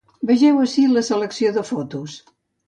Vegeu ací la selecció de fotos.